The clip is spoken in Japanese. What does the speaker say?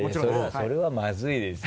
それはまずいですよ。